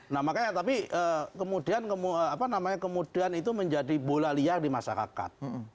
nah makanya tapi kemudian itu menjadi bola liar di masyarakat